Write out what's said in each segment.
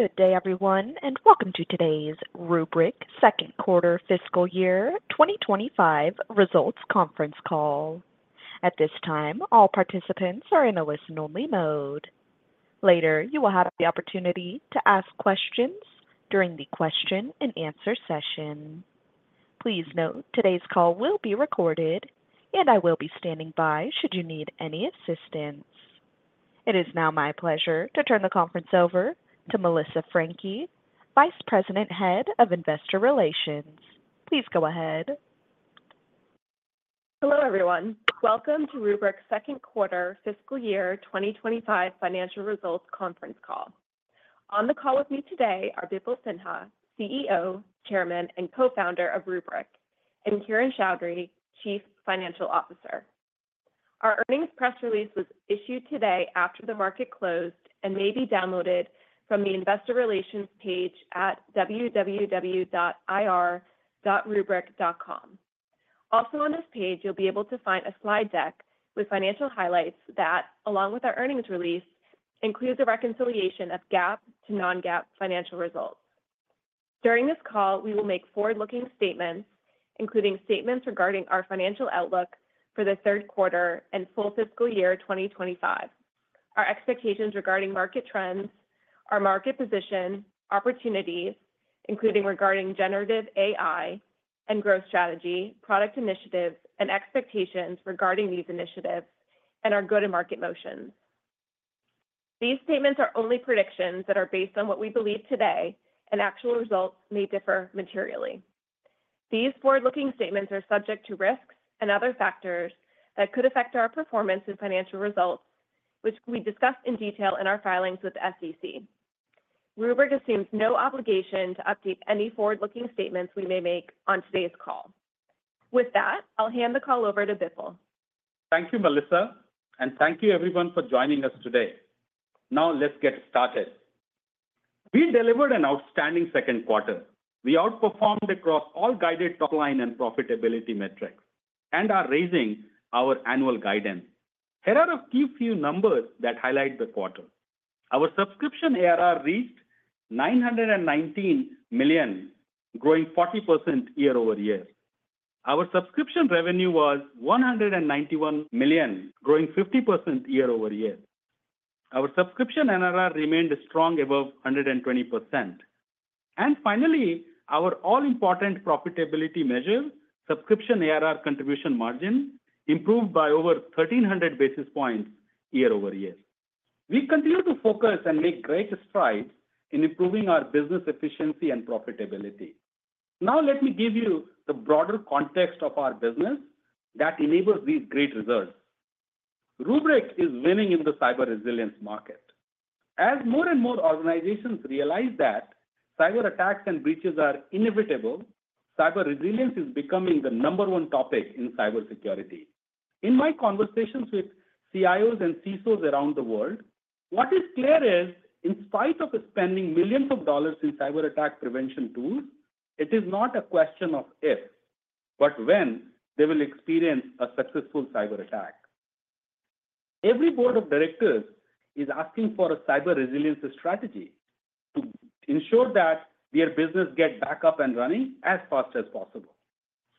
Good day, everyone, and welcome to today's Rubrik second quarter fiscal year 2025 results conference call. At this time, all participants are in a listen-only mode. Later, you will have the opportunity to ask questions during the question-and-answer session. Please note, today's call will be recorded, and I will be standing by should you need any assistance. It is now my pleasure to turn the conference over to Melissa Franke, Vice President, Head of Investor Relations. Please go ahead. Hello, everyone. Welcome to Rubrik's second quarter fiscal year 2025 financial results conference call. On the call with me today are Bipul Sinha, CEO, Chairman, and Co-founder of Rubrik, and Kiran Choudhary, Chief Financial Officer. Our earnings press release was issued today after the market closed and may be downloaded from the investor relations page at www.ir.rubrik.com. Also on this page, you'll be able to find a slide deck with financial highlights that, along with our earnings release, includes a reconciliation of GAAP to non-GAAP financial results. During this call, we will make forward-looking statements, including statements regarding our financial outlook for the third quarter and full fiscal year 2025. Our expectations regarding market trends, our market position, opportunities, including regarding generative AI and growth strategy, product initiatives, and expectations regarding these initiatives, and our go-to-market motions. These statements are only predictions that are based on what we believe today, and actual results may differ materially. These forward-looking statements are subject to risks and other factors that could affect our performance and financial results, which we discussed in detail in our filings with the SEC. Rubrik assumes no obligation to update any forward-looking statements we may make on today's call. With that, I'll hand the call over to Bipul. Thank you, Melissa, and thank you everyone for joining us today. Now, let's get started. We delivered an outstanding second quarter. We outperformed across all guided top line and profitability metrics and are raising our annual guidance. Here are a key few numbers that highlight the quarter. Our subscription ARR reached $919 million, growing 40% year-over-year. Our subscription revenue was $191 million, growing 50% year-over-year. Our subscription NRR remained strong above 120%. And finally, our all-important profitability measure, subscription ARR contribution margin, improved by over 1,300 basis points year-over-year. We continue to focus and make great strides in improving our business efficiency and profitability. Now, let me give you the broader context of our business that enables these great results. Rubrik is winning in the cyber resilience market. As more and more organizations realize that cyberattacks and breaches are inevitable, cyber resilience is becoming the number one topic in cybersecurity. In my conversations with CIOs and CISOs around the world, what is clear is, in spite of spending millions of dollars in cyberattack prevention tools, it is not a question of if, but when they will experience a successful cyberattack. Every board of directors is asking for a cyber resilience strategy to ensure that their business get back up and running as fast as possible.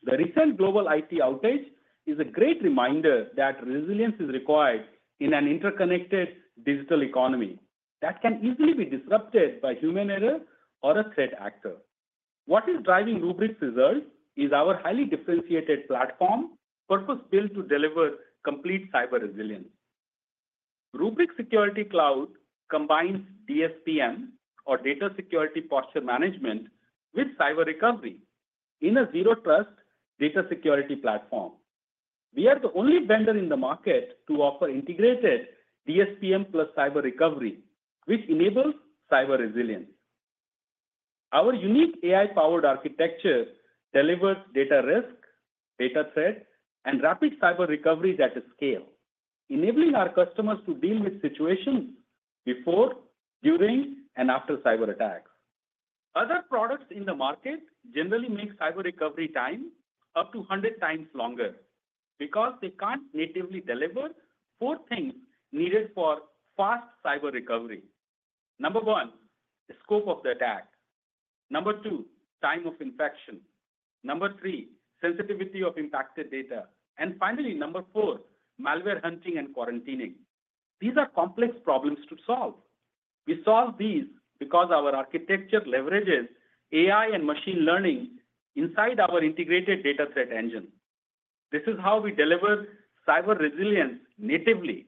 The recent global IT outage is a great reminder that resilience is required in an interconnected digital economy that can easily be disrupted by human error or a threat actor. What is driving Rubrik's results is our highly differentiated platform, purpose-built to deliver complete cyber resilience. Rubrik Security Cloud combines DSPM or data security posture management with cyber recovery in a zero trust data security platform. We are the only vendor in the market to offer integrated DSPM plus Cyber Recovery, which enables cyber resilience. Our unique AI-powered architecture delivers data risk, data threat, and rapid Cyber Recoveries at scale, enabling our customers to deal with situations before, during, and after cyberattacks. Other products in the market generally make cyber recovery time up to a hundred times longer because they can't natively deliver four things needed for fast Cyber Recovery. Number one, the scope of the attack. Number two, time of infection. Number three, sensitivity of impacted data. And finally, number four, malware hunting and quarantining. These are complex problems to solve. We solve these because our architecture leverages AI and machine learning inside our integrated data Threat Engine. This is how we deliver cyber resilience natively,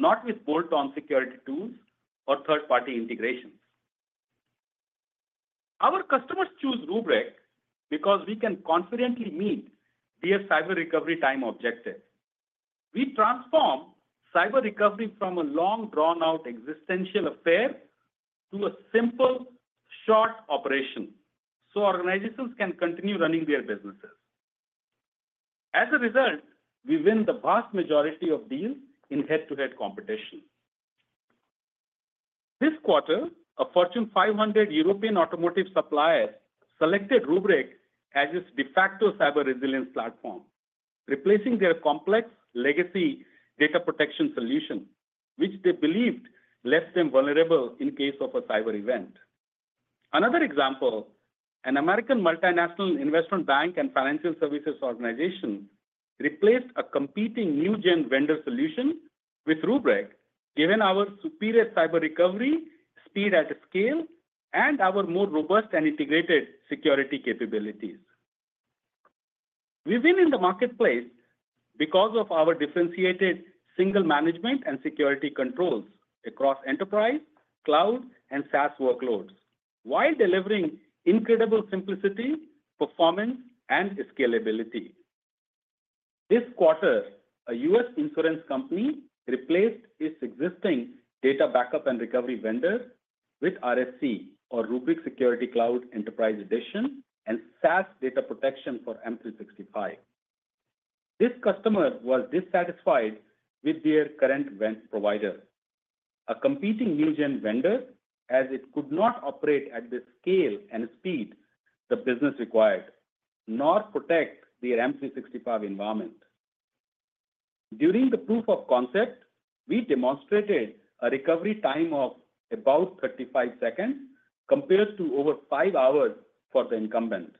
not with bolt-on security tools or third-party integrations. Our customers choose Rubrik because we can confidently meet their cyber recovery time objectives. We transform cyber recovery from a long, drawn-out existential affair to a simple, short operation, so organizations can continue running their businesses. As a result, we win the vast majority of deals in head-to-head competition. This quarter, a Fortune 500 European automotive supplier selected Rubrik as its de facto cyber resilience platform, replacing their complex legacy data protection solution, which they believed left them vulnerable in case of a cyber event. Another example, an American multinational investment bank and financial services organization replaced a competing new-gen vendor solution with Rubrik, given our superior cyber recovery, speed at scale, and our more robust and integrated security capabilities. We've been in the marketplace because of our differentiated single management and security controls across enterprise, cloud, and SaaS workloads, while delivering incredible simplicity, performance, and scalability. This quarter, a U.S. insurance company replaced its existing data backup and recovery vendor with RSC, or Rubrik Security Cloud Enterprise Edition, and SaaS Data Protection for M365. This customer was dissatisfied with their current vendor provider, a competing new gen vendor, as it could not operate at the scale and speed the business required, nor protect their M365 environment. During the proof of concept, we demonstrated a recovery time of about 35 seconds, compared to over five hours for the incumbent.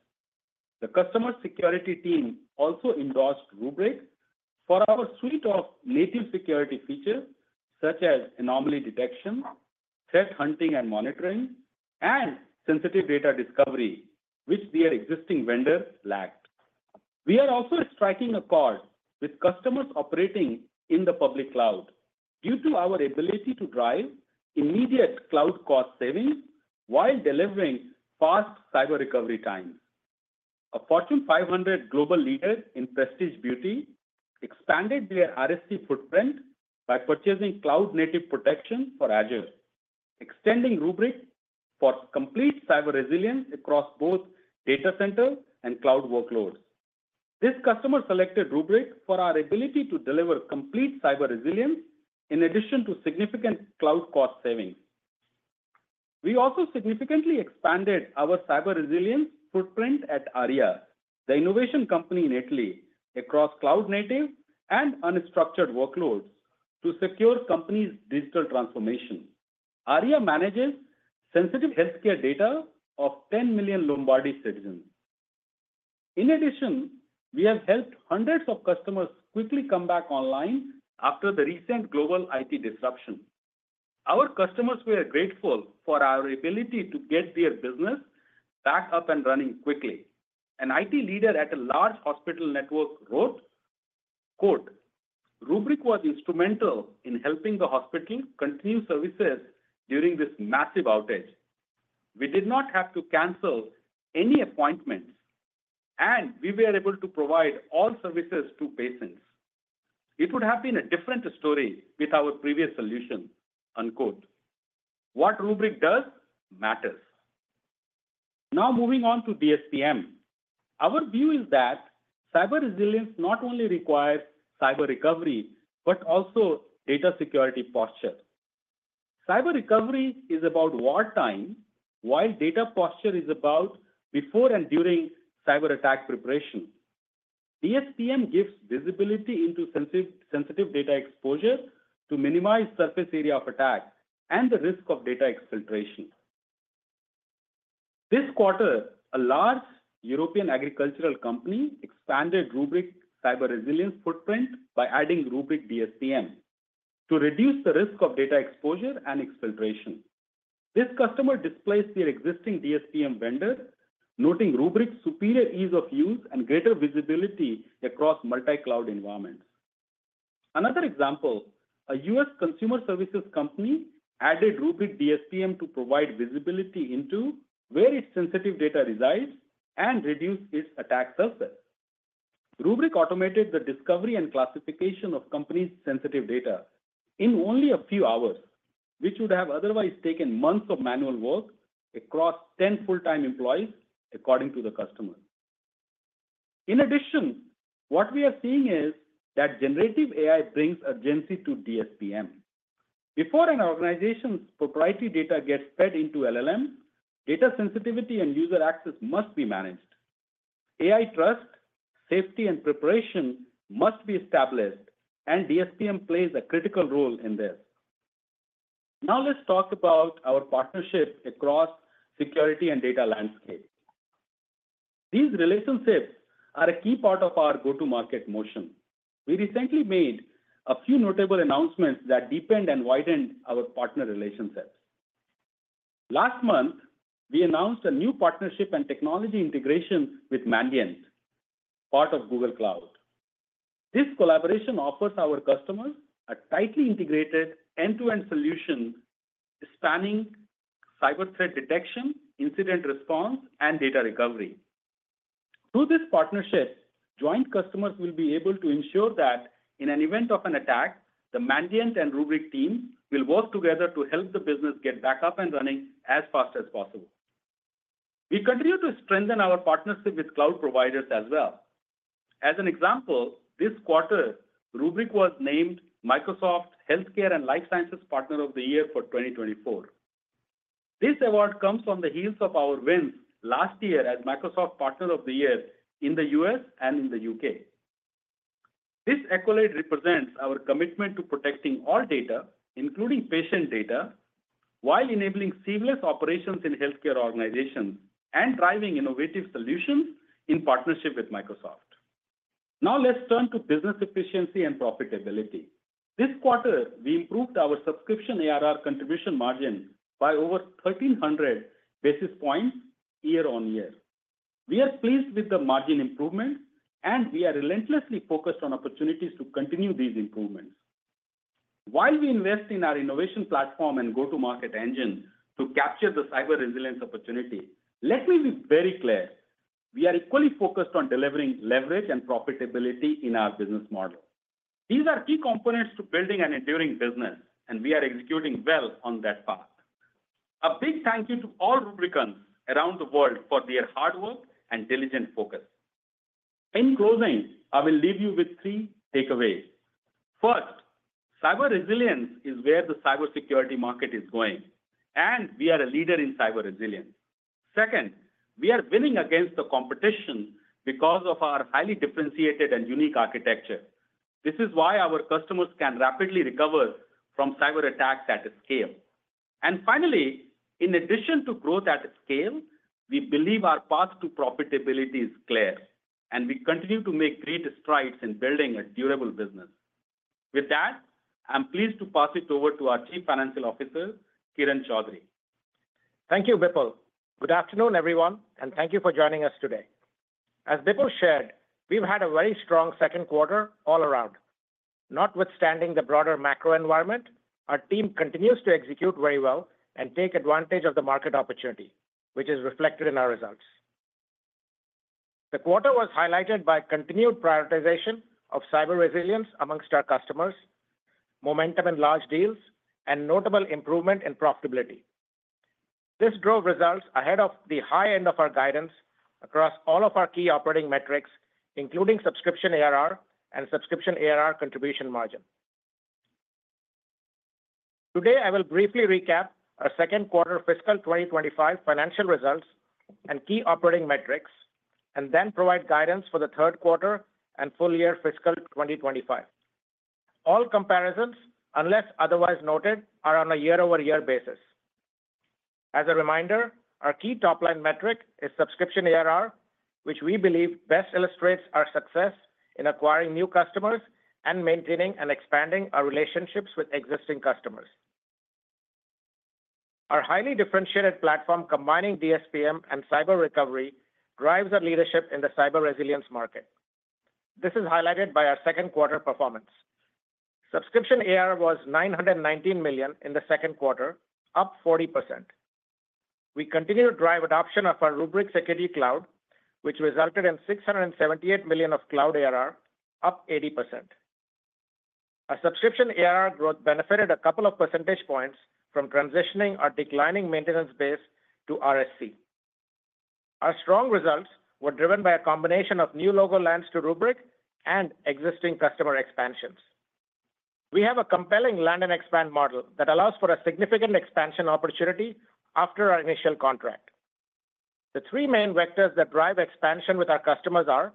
The customer security team also endorsed Rubrik for our suite of native security features, such as anomaly detection, threat hunting and monitoring, and sensitive data discovery, which their existing vendor lacked. We are also striking a chord with customers operating in the public cloud due to our ability to drive immediate cloud cost savings while delivering fast cyber recovery times. A Fortune 500 global leader in prestige beauty expanded their RSC footprint by purchasing cloud-native protection for Azure, extending Rubrik for complete cyber resilience across both data centers and cloud workloads. This customer selected Rubrik for our ability to deliver complete cyber resilience in addition to significant cloud cost savings. We also significantly expanded our cyber resilience footprint at Aria, the innovation company in Italy, across cloud-native and unstructured workloads, to secure the company's digital transformation. Aria manages sensitive healthcare data of 10 million Lombardy citizens. In addition, we have helped hundreds of customers quickly come back online after the recent global IT disruption. Our customers were grateful for our ability to get their business back up and running quickly. An IT leader at a large hospital network wrote, quote, "Rubrik was instrumental in helping the hospital continue services during this massive outage. We did not have to cancel any appointments, and we were able to provide all services to patients. It would have been a different story with our previous solution." Unquote. What Rubrik does matters. Now, moving on to DSPM. Our view is that cyber resilience not only requires cyber recovery, but also data security posture. Cyber recovery is about wartime, while data posture is about before and during cyberattack preparation. DSPM gives visibility into sensitive data exposure to minimize surface area of attack and the risk of data exfiltration. This quarter, a large European agricultural company expanded Rubrik cyber resilience footprint by adding Rubrik DSPM to reduce the risk of data exposure and exfiltration. This customer displaced their existing DSPM vendor, noting Rubrik's superior ease of use and greater visibility across multi-cloud environments. Another example, a U.S. consumer services company added Rubrik DSPM to provide visibility into where its sensitive data resides and reduce its attack surface. Rubrik automated the discovery and classification of company's sensitive data in only a few hours, which would have otherwise taken months of manual work across ten full-time employees, according to the customer. In addition, what we are seeing is that generative AI brings urgency to DSPM. Before an organization's proprietary data gets fed into LLM, data sensitivity and user access must be managed. AI trust, safety, and preparation must be established, and DSPM plays a critical role in this. Now, let's talk about our partnership across security and data landscape. These relationships are a key part of our go-to-market motion. We recently made a few notable announcements that deepened and widened our partner relationships. Last month, we announced a new partnership and technology integration with Mandiant, part of Google Cloud. This collaboration offers our customers a tightly integrated end-to-end solution spanning cyber threat detection, incident response, and data recovery. Through this partnership, joint customers will be able to ensure that in an event of an attack, the Mandiant and Rubrik team will work together to help the business get back up and running as fast as possible. We continue to strengthen our partnership with cloud providers as well. As an example, this quarter, Rubrik was named Microsoft Healthcare and Life Sciences Partner of the Year for 2024. This award comes on the heels of our wins last year as Microsoft Partner of the Year in the U.S. and in the U.K. This accolade represents our commitment to protecting all data, including patient data, while enabling seamless operations in healthcare organizations and driving innovative solutions in partnership with Microsoft. Now, let's turn to business efficiency and profitability. This quarter, we improved our subscription ARR contribution margin by over thirteen hundred basis points year-on-year. We are pleased with the margin improvement, and we are relentlessly focused on opportunities to continue these improvements. While we invest in our innovation platform and go-to-market engine to capture the cyber resilience opportunity, let me be very clear, we are equally focused on delivering leverage and profitability in our business model. These are key components to building an enduring business, and we are executing well on that path. A big thank you to all Rubrikans around the world for their hard work and diligent focus. In closing, I will leave you with three takeaways. First, cyber resilience is where the cybersecurity market is going, and we are a leader in cyber resilience. Second, we are winning against the competition because of our highly differentiated and unique architecture. This is why our customers can rapidly recover from cyber attacks at scale. And finally, in addition to growth at scale, we believe our path to profitability is clear, and we continue to make great strides in building a durable business. With that, I'm pleased to pass it over to our Chief Financial Officer, Kiran Choudhary. Thank you, Bipul. Good afternoon, everyone, and thank you for joining us today. As Bipul shared, we've had a very strong second quarter all around. Notwithstanding the broader macro environment, our team continues to execute very well and take advantage of the market opportunity, which is reflected in our results. The quarter was highlighted by continued prioritization of cyber resilience among our customers, momentum in large deals, and notable improvement in profitability. This drove results ahead of the high end of our guidance across all of our key operating metrics, including subscription ARR and subscription ARR contribution margin. Today, I will briefly recap our second quarter fiscal 2025 financial results and key operating metrics, and then provide guidance for the third quarter and full year fiscal 2025. All comparisons, unless otherwise noted, are on a year-over-year basis. As a reminder, our key top-line metric is subscription ARR, which we believe best illustrates our success in acquiring new customers and maintaining and expanding our relationships with existing customers. Our highly differentiated platform, combining DSPM and cyber recovery, drives our leadership in the cyber resilience market. This is highlighted by our second quarter performance. Subscription ARR was $919 million in the second quarter, up 40%. We continue to drive adoption of our Rubrik Security Cloud, which resulted in $678 million of cloud ARR, up 80%. Our subscription ARR growth benefited a couple of percentage points from transitioning our declining maintenance base to RSC. Our strong results were driven by a combination of new logo lands to Rubrik and existing customer expansions. We have a compelling land and expand model that allows for a significant expansion opportunity after our initial contract. The three main vectors that drive expansion with our customers are: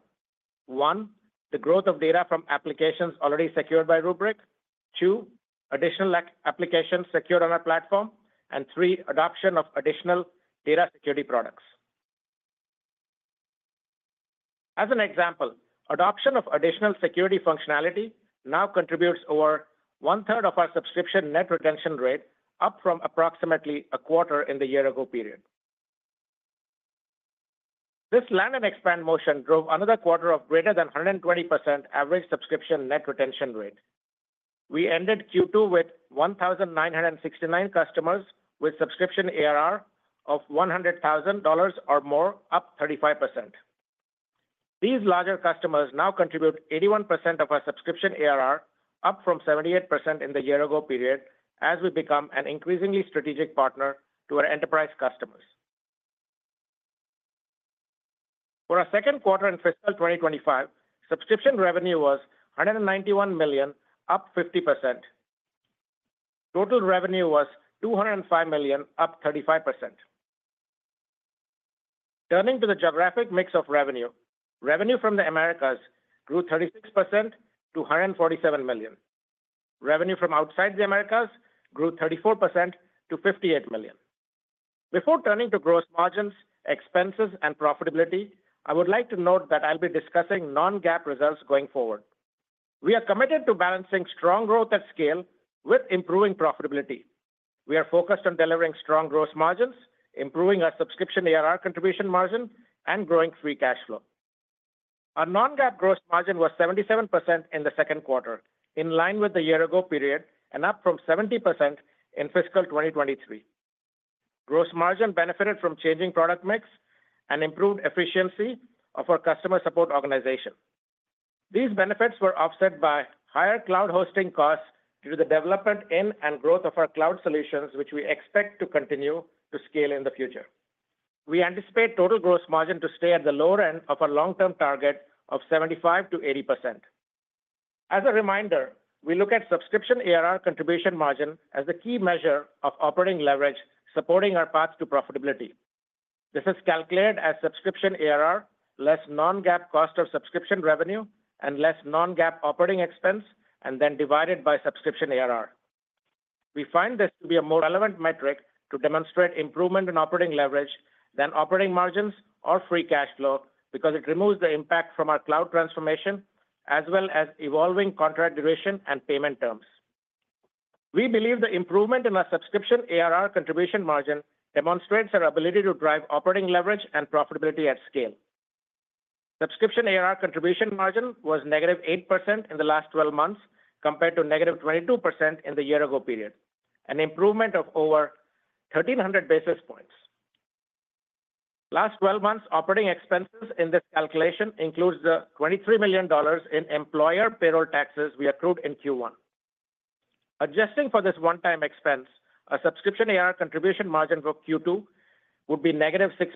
one, the growth of data from applications already secured by Rubrik. Two, additional applications secured on our platform. And three, adoption of additional data security products. As an example, adoption of additional security functionality now contributes over one third of our subscription net retention rate, up from approximately a quarter in the year ago period. This land and expand motion drove another quarter of greater than 120% average subscription net retention rate. We ended Q2 with 1,969 customers, with subscription ARR of $100,000 or more, up 35%. These larger customers now contribute 81% of our subscription ARR, up from 78% in the year ago period, as we become an increasingly strategic partner to our enterprise customers. For our second quarter in fiscal 2025, subscription revenue was $191 million, up 50%. Total revenue was $205 million, up 35%. Turning to the geographic mix of revenue, revenue from the Americas grew 36% to $147 million. Revenue from outside the Americas grew 34% to $58 million. Before turning to gross margins, expenses, and profitability, I would like to note that I'll be discussing non-GAAP results going forward. We are committed to balancing strong growth at scale with improving profitability. We are focused on delivering strong gross margins, improving our subscription ARR contribution margin, and growing free cash flow. Our non-GAAP gross margin was 77% in the second quarter, in line with the year ago period and up from 70% in fiscal 2023. Gross margin benefited from changing product mix and improved efficiency of our customer support organization. These benefits were offset by higher cloud hosting costs due to the development in and growth of our cloud solutions, which we expect to continue to scale in the future. We anticipate total gross margin to stay at the lower end of our long-term target of 75%-80%. As a reminder, we look at subscription ARR contribution margin as the key measure of operating leverage, supporting our path to profitability. This is calculated as subscription ARR, less non-GAAP cost of subscription revenue, and less non-GAAP operating expense, and then divided by subscription ARR. We find this to be a more relevant metric to demonstrate improvement in operating leverage than operating margins or free cash flow, because it removes the impact from our cloud transformation, as well as evolving contract duration and payment terms. We believe the improvement in our subscription ARR contribution margin demonstrates our ability to drive operating leverage and profitability at scale. Subscription ARR contribution margin was negative 8% in the last twelve months, compared to negative 22% in the year ago period, an improvement of over 1,300 basis points. Last twelve months, operating expenses in this calculation includes the $23 million in employer payroll taxes we accrued in Q1. Adjusting for this one-time expense, our subscription ARR contribution margin for Q2 would be negative 6%,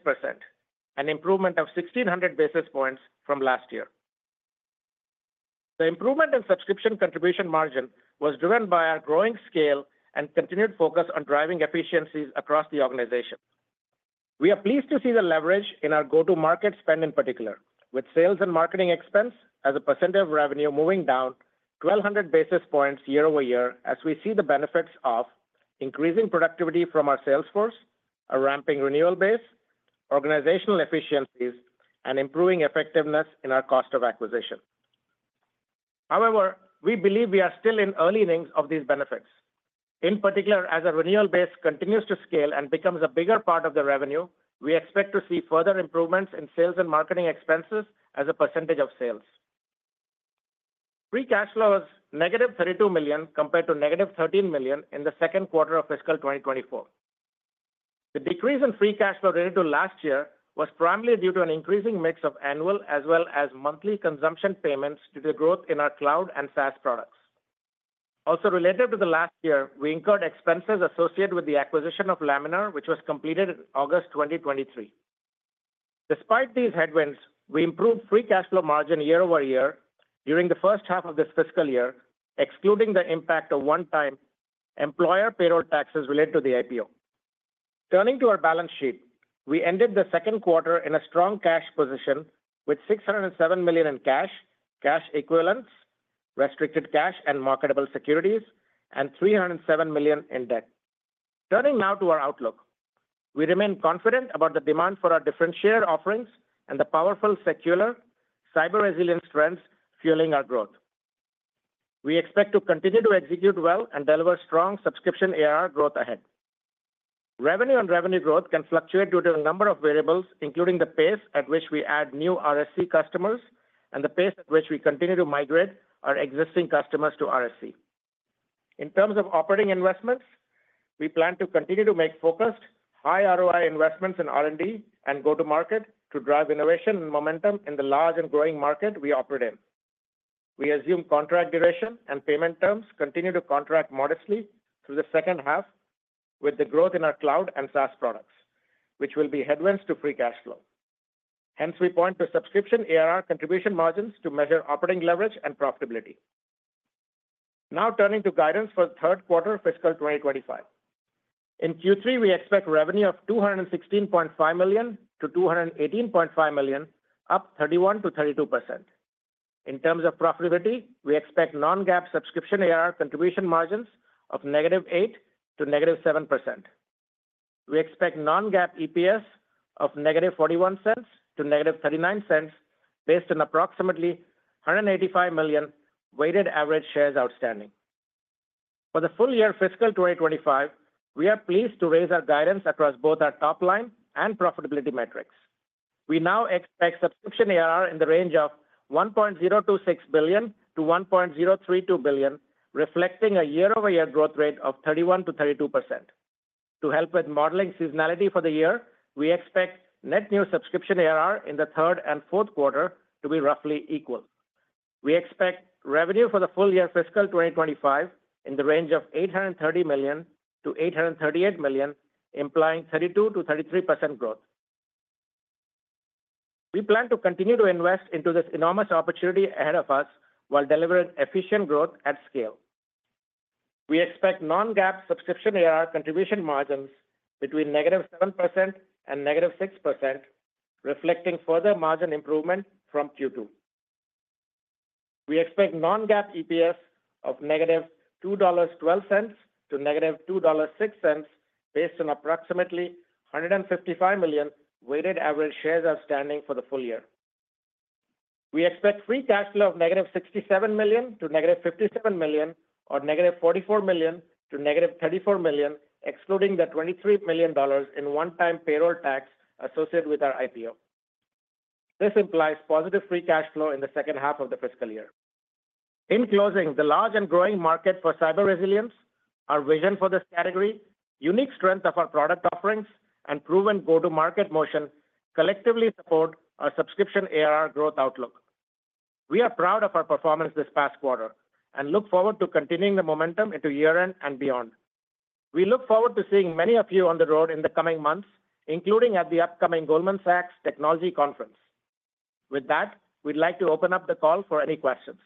an improvement of 1,600 basis points from last year. The improvement in subscription contribution margin was driven by our growing scale and continued focus on driving efficiencies across the organization. We are pleased to see the leverage in our go-to-market spend, in particular, with sales and marketing expense as a percentage of revenue moving down twelve hundred basis points year-over-year, as we see the benefits of increasing productivity from our sales force, a ramping renewal base, organizational efficiencies, and improving effectiveness in our cost of acquisition. However, we believe we are still in early innings of these benefits. In particular, as our renewal base continues to scale and becomes a bigger part of the revenue, we expect to see further improvements in sales and marketing expenses as a percentage of sales. Free cash flow is negative $32 million, compared to negative $13 million in the second quarter of fiscal 2024. The decrease in free cash flow related to last year was primarily due to an increasing mix of annual as well as monthly consumption payments due to growth in our cloud and SaaS products. Also, related to the last year, we incurred expenses associated with the acquisition of Laminar, which was completed in August 2023. Despite these headwinds, we improved free cash flow margin year-over-year during the first half of this fiscal year, excluding the impact of one-time employer payroll taxes related to the IPO. Turning to our balance sheet, we ended the second quarter in a strong cash position with $607 million in cash, cash equivalents, restricted cash and marketable securities, and $307 million in debt. Turning now to our outlook. We remain confident about the demand for our differentiated offerings and the powerful secular cyber resilience trends fueling our growth. We expect to continue to execute well and deliver strong subscription ARR growth ahead. Revenue and revenue growth can fluctuate due to a number of variables, including the pace at which we add new RSC customers and the pace at which we continue to migrate our existing customers to RSC. In terms of operating investments, we plan to continue to make focused, high ROI investments in R&D and go-to-market to drive innovation and momentum in the large and growing market we operate in. We assume contract duration and payment terms continue to contract modestly through the second half with the growth in our cloud and SaaS products, which will be headwinds to free cash flow. Hence, we point to subscription ARR contribution margins to measure operating leverage and profitability. Now, turning to guidance for the third quarter of fiscal 2025. In Q3, we expect revenue of $216.5 million-$218.5 million, up 31%-32%. In terms of profitability, we expect non-GAAP subscription ARR contribution margins of -8% to -7%. We expect non-GAAP EPS of -$0.41 to -0.39, based on approximately 185 million weighted average shares outstanding. For the full year fiscal 2025, we are pleased to raise our guidance across both our top line and profitability metrics. We now expect subscription ARR in the range of $1.026 billion-1.032 billion, reflecting a year-over-year growth rate of 31%-32%. To help with modeling seasonality for the year, we expect net new subscription ARR in the third and fourth quarter to be roughly equal. We expect revenue for the full year fiscal 2025 in the range of $830 million-838 million, implying 32%-33% growth. We plan to continue to invest into this enormous opportunity ahead of us, while delivering efficient growth at scale. We expect non-GAAP subscription ARR contribution margins between -7% and -6%, reflecting further margin improvement from Q2. We expect non-GAAP EPS of -$2.12 to -2.06, based on approximately $155 million weighted average shares outstanding for the full year. We expect free cash flow of negative $67 million to negative $57 million, or negative $44 million to negative $34 million, excluding the $23 million in one-time payroll tax associated with our IPO. This implies positive free cash flow in the second half of the fiscal year. In closing, the large and growing market for cyber resilience, our vision for this category, unique strength of our product offerings, and proven go-to-market motion collectively support our subscription ARR growth outlook. We are proud of our performance this past quarter and look forward to continuing the momentum into year-end and beyond.... We look forward to seeing many of you on the road in the coming months, including at the upcoming Goldman Sachs Technology Conference. With that, we'd like to open up the call for any questions.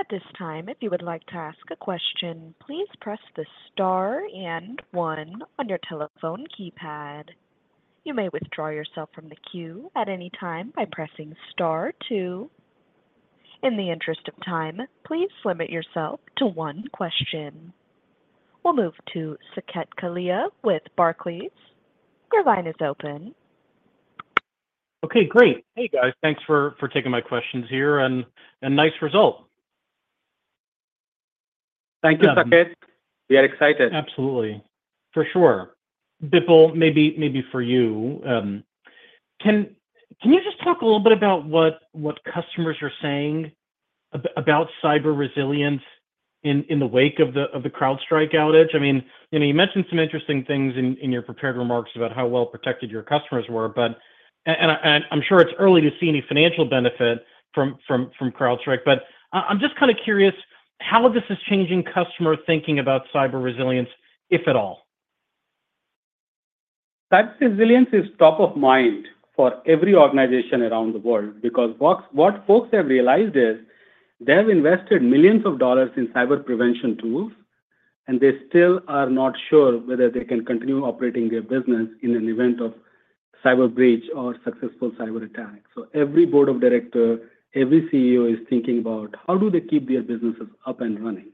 At this time, if you would like to ask a question, please press the Star and One on your telephone keypad. You may withdraw yourself from the queue at any time by pressing Star Two. In the interest of time, please limit yourself to one question. We'll move to Saket Kalia with Barclays. Your line is open. Okay, great. Hey, guys. Thanks for taking my questions here, and nice result. Thank you, Saket. We are excited. Absolutely. For sure. Bipul, maybe for you, can you just talk a little bit about what customers are saying about cyber resilience in the wake of the CrowdStrike outage? I mean, you know, you mentioned some interesting things in your prepared remarks about how well protected your customers were, but, and I'm sure it's early to see any financial benefit from CrowdStrike, but I'm just kind of curious how this is changing customer thinking about cyber resilience, if at all. Cyber resilience is top of mind for every organization around the world, because what folks have realized is they have invested millions of dollars in cyber prevention tools, and they still are not sure whether they can continue operating their business in an event of cyber breach or successful cyberattack. So every board of director, every CEO is thinking about how do they keep their businesses up and running?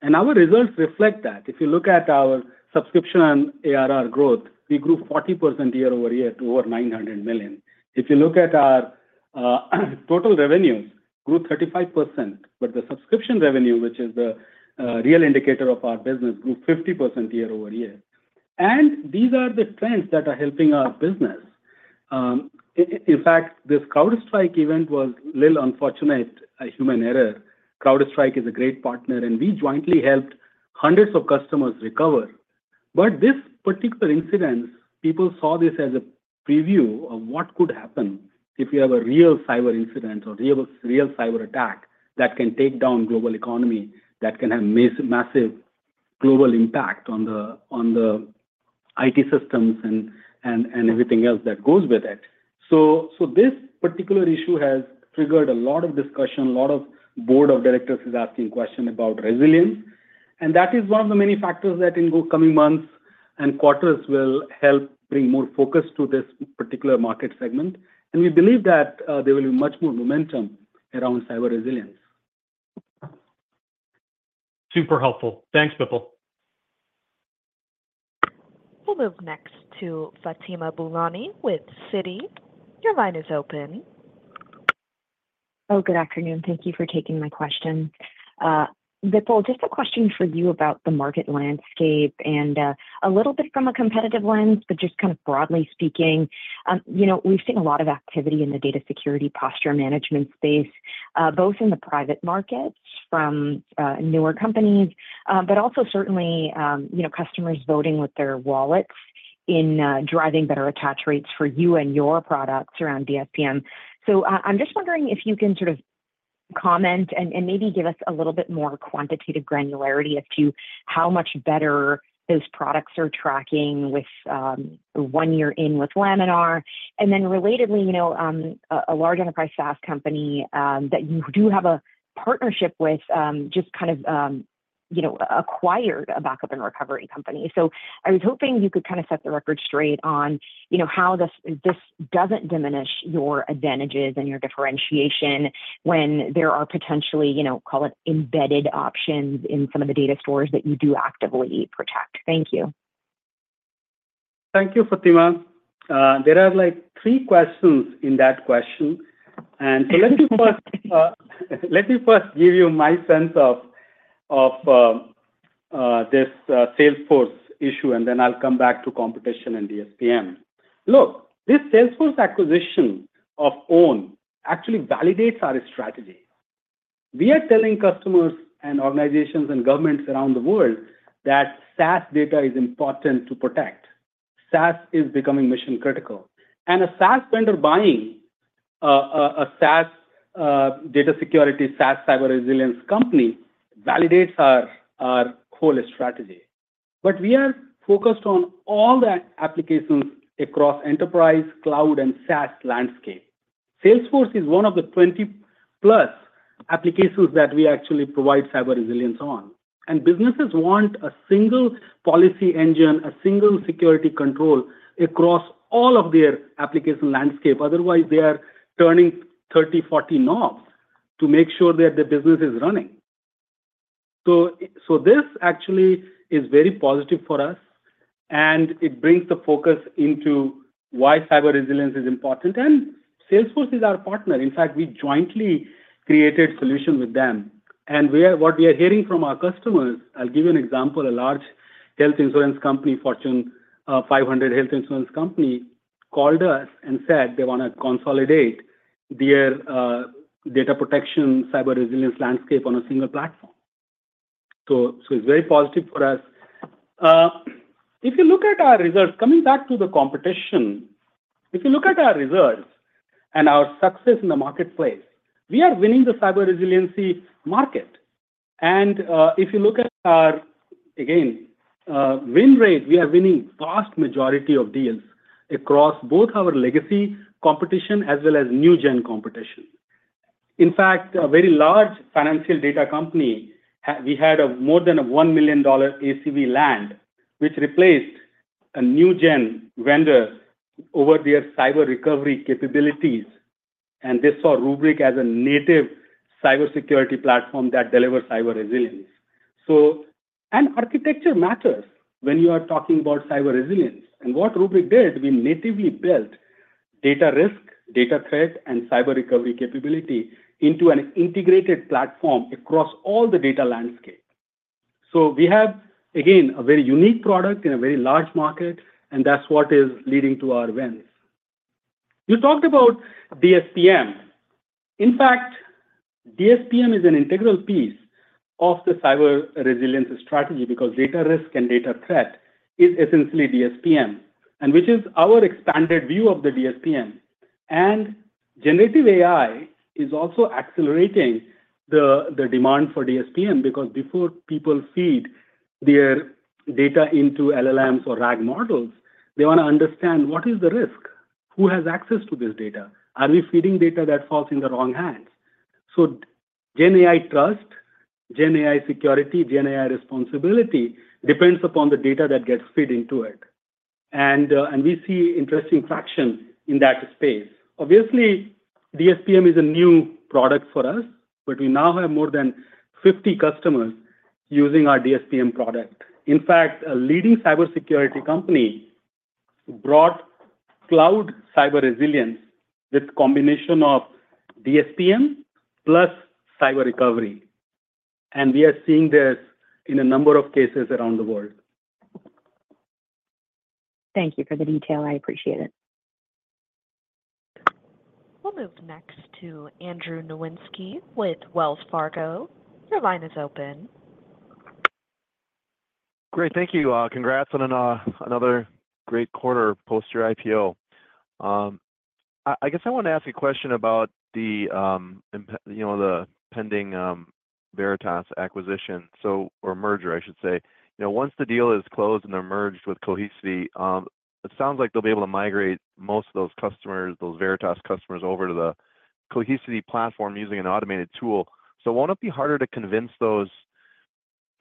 And our results reflect that. If you look at our subscription and ARR growth, we grew 40% year-over-year to over $900 million. If you look at our total revenues, grew 35%, but the subscription revenue, which is the real indicator of our business, grew 50% year-over-year. And these are the trends that are helping our business. In fact, this CrowdStrike event was a little unfortunate, a human error. CrowdStrike is a great partner, and we jointly helped hundreds of customers recover. But this particular incident, people saw this as a preview of what could happen if you have a real cyber incident or real, real cyberattack that can take down global economy, that can have massive global impact on the IT systems and everything else that goes with it. So this particular issue has triggered a lot of discussion. A lot of board of directors is asking questions about resilience, and that is one of the many factors that in the coming months and quarters will help bring more focus to this particular market segment. And we believe that there will be much more momentum around cyber resilience. Super helpful. Thanks, Bipul. We'll move next to Fatima Boolani with Citi. Your line is open. Oh, good afternoon. Thank you for taking my question. Bipul, just a question for you about the market landscape and, a little bit from a competitive lens, but just kind of broadly speaking. You know, we've seen a lot of activity in the data security posture management space, both in the private markets from, newer companies, but also certainly, you know, customers voting with their wallets in, driving better attach rates for you and your products around DSPM. So I, I'm just wondering if you can sort of comment and, and maybe give us a little bit more quantitative granularity as to how much better those products are tracking with, one-year in with Laminar. And then relatedly, you know, a large enterprise SaaS company that you do have a partnership with just kind of, you know, acquired a backup and recovery company. So I was hoping you could kind of set the record straight on, you know, how this, this doesn't diminish your advantages and your differentiation when there are potentially, you know, call it embedded options in some of the data stores that you do actively protect. Thank you. Thank you, Fatima. There are, like, three questions in that question. And so let me first give you my sense of this Salesforce issue, and then I'll come back to competition and DSPM. Look, this Salesforce acquisition of Own actually validates our strategy. We are telling customers and organizations and governments around the world that SaaS data is important to protect. SaaS is becoming mission critical. And a SaaS vendor buying a SaaS data security, SaaS cyber resilience company validates our whole strategy. But we are focused on all the applications across enterprise, cloud, and SaaS landscape. Salesforce is one of the 20+ applications that we actually provide cyber resilience on. And businesses want a single policy engine, a single security control across all of their application landscape. Otherwise, they are turning 30, 40 knobs to make sure that the business is running. So this actually is very positive for us, and it brings the focus into why cyber resilience is important. And Salesforce is our partner. In fact, we jointly created solutions with them. And what we are hearing from our customers... I'll give you an example. A large health insurance company, Fortune 500 health insurance company, called us and said they want to consolidate their data protection, cyber resilience landscape on a single platform. So it's very positive for us... If you look at our results, coming back to the competition, if you look at our results and our success in the marketplace, we are winning the cyber resiliency market. And, if you look at our, again, win rate, we are winning vast majority of deals across both our legacy competition as well as new gen competition. In fact, a very large financial data company, we had more than $1 million ACV land, which replaced a new gen vendor over their cyber recovery capabilities, and they saw Rubrik as a native cybersecurity platform that delivers cyber resilience. And architecture matters when you are talking about cyber resilience. And what Rubrik did, we natively built data risk, data threat, and cyber recovery capability into an integrated platform across all the data landscape. So we have, again, a very unique product in a very large market, and that's what is leading to our wins. You talked about DSPM. In fact, DSPM is an integral piece of the cyber resilience strategy because data risk and data threat is essentially DSPM, and which is our expanded view of the DSPM. And generative AI is also accelerating the demand for DSPM, because before people feed their data into LLMs or RAG models, they want to understand what is the risk? Who has access to this data? Are we feeding data that falls in the wrong hands? So Gen AI trust, Gen AI security, Gen AI responsibility, depends upon the data that gets fed into it. And we see interesting traction in that space. Obviously, DSPM is a new product for us, but we now have more than 50 customers using our DSPM product. In fact, a leading cybersecurity company brought cloud cyber resilience with combination of DSPM plus cyber recovery, and we are seeing this in a number of cases around the world. Thank you for the detail. I appreciate it. We'll move next to Andrew Nowinski with Wells Fargo. Your line is open. Great, thank you. Congrats on another great quarter post your IPO. I guess I want to ask a question about the, you know, the pending Veritas acquisition, so, or merger, I should say. You know, once the deal is closed and they're merged with Cohesity, it sounds like they'll be able to migrate most of those customers, those Veritas customers, over to the Cohesity platform using an automated tool. So won't it be harder to convince those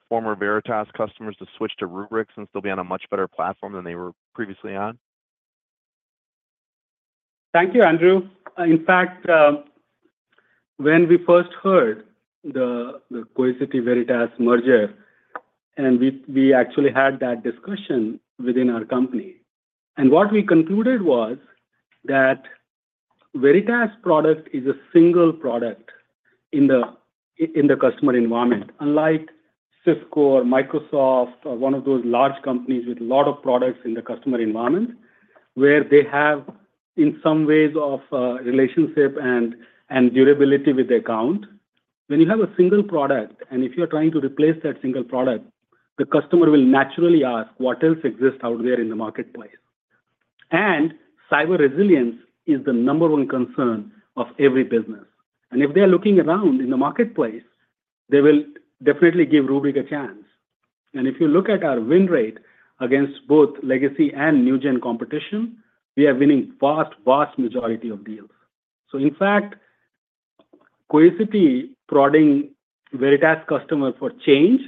former Veritas customers to switch to Rubrik, since they'll be on a much better platform than they were previously on? Thank you, Andrew. In fact, when we first heard the Cohesity-Veritas merger, and we actually had that discussion within our company. And what we concluded was that Veritas product is a single product in the customer environment, unlike Cisco or Microsoft or one of those large companies with a lot of products in the customer environment, where they have in some ways of relationship and durability with the account. When you have a single product, and if you're trying to replace that single product, the customer will naturally ask: What else exists out there in the marketplace? And cyber resilience is the number one concern of every business. And if they are looking around in the marketplace, they will definitely give Rubrik a chance. And if you look at our win rate against both legacy and new gen competition, we are winning vast, vast majority of deals. So in fact, Cohesity prodding Veritas customer for change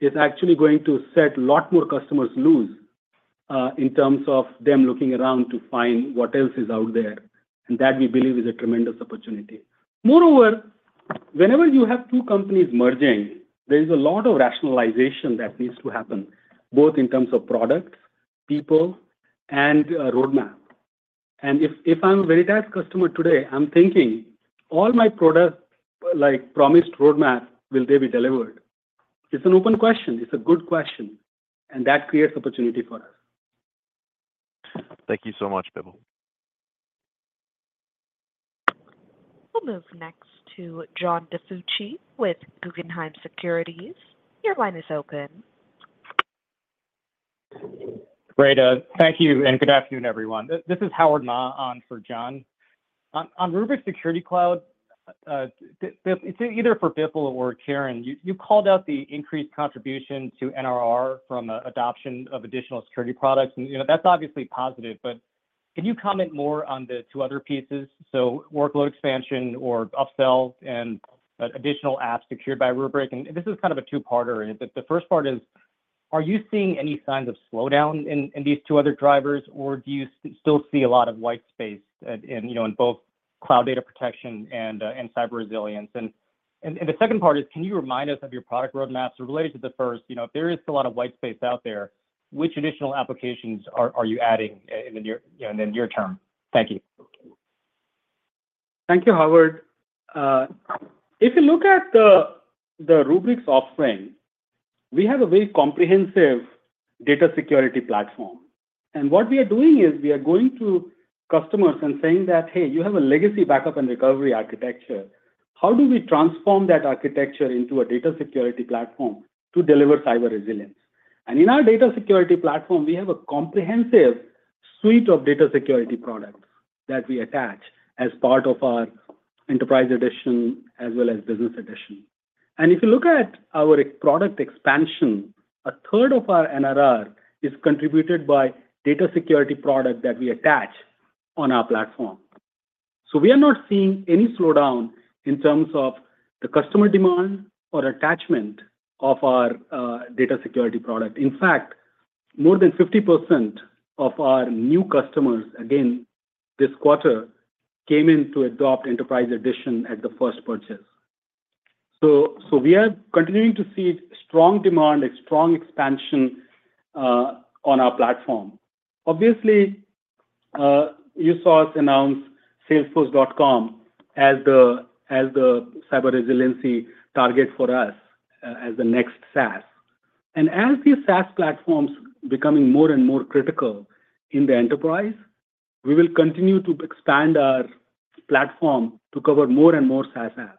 is actually going to set a lot more customers loose, in terms of them looking around to find what else is out there, and that we believe is a tremendous opportunity. Moreover, whenever you have two companies merging, there is a lot of rationalization that needs to happen, both in terms of products, people, and roadmap. And if I'm a Veritas customer today, I'm thinking, all my products, like promised roadmap, will they be delivered? It's an open question. It's a good question, and that creates opportunity for us. Thank you so much, Bipul. We'll move next to John DiFucci with Guggenheim Securities. Your line is open. Great. Thank you, and good afternoon, everyone. This is Howard Ma on for John. On Rubrik Security Cloud, it's either for Bipul or Kiran. You called out the increased contribution to NRR from adoption of additional security products, and, you know, that's obviously positive, but can you comment more on the two other pieces? So workload expansion or upsells and additional apps secured by Rubrik. And this is kind of a two-parter. The first part is: Are you seeing any signs of slowdown in these two other drivers, or do you still see a lot of white space in, you know, in both cloud data protection and cyber resilience? And the second part is: Can you remind us of your product roadmaps related to the first? You know, if there is a lot of white space out there, which additional applications are you adding in the near, you know, in the near term? Thank you. Thank you, Howard. If you look at the Rubrik's offerings, we have a very comprehensive data security platform. And what we are doing is we are going to customers and saying that, "Hey, you have a legacy backup and recovery architecture. How do we transform that architecture into a data security platform to deliver cyber resilience?" And in our data security platform, we have a comprehensive suite of data security products that we attach as part of our Enterprise Edition as well as business edition. And if you look at our product expansion, a third of our NRR is contributed by data security product that we attach on our platform. So we are not seeing any slowdown in terms of the customer demand or attachment of our data security product. In fact, more than 50% of our new customers, again, this quarter, came in to adopt Enterprise Edition at the first purchase. So we are continuing to see strong demand and strong expansion on our platform. Obviously, you saw us announce Salesforce.com as the cyber resiliency target for us as the next SaaS. And as these SaaS platforms becoming more and more critical in the enterprise, we will continue to expand our platform to cover more and more SaaS apps.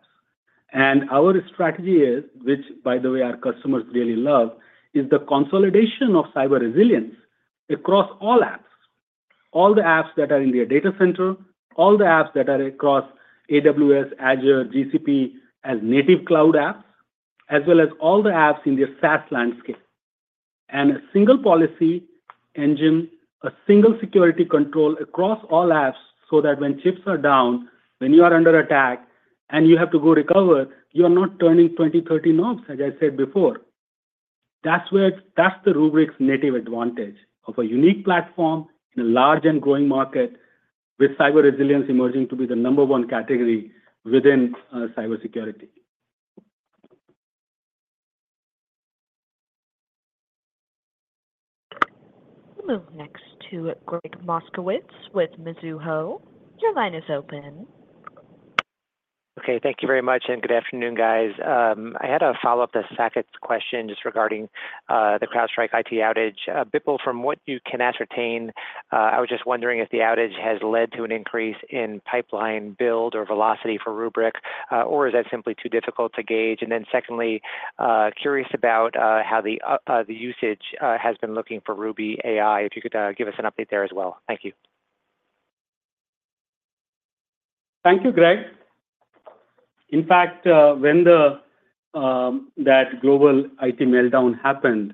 And our strategy is, which by the way, our customers really love, is the consolidation of cyber resilience across all apps, all the apps that are in their data center, all the apps that are across AWS, Azure, GCP as native cloud apps, as well as all the apps in their SaaS landscape. A single policy engine, a single security control across all apps so that when chips are down, when you are under attack and you have to go recover, you are not turning 20, 30 knobs, as I said before. That's where. That's the Rubrik's native advantage of a unique platform in a large and growing market, with cyber resilience emerging to be the number one category within cybersecurity. We'll move next to Gregg Moskowitz with Mizuho. Your line is open. Okay, thank you very much, and good afternoon, guys. I had a follow-up to Saket's question, just regarding the CrowdStrike IT outage. Bipul, from what you can ascertain, I was just wondering if the outage has led to an increase in pipeline build or velocity for Rubrik, or is that simply too difficult to gauge? And then secondly, curious about how the usage has been looking for Ruby, if you could give us an update there as well. Thank you. Thank you, Gregg. In fact, when that global IT meltdown happened,